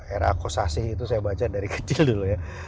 era akosasi itu saya baca dari kecil dulu ya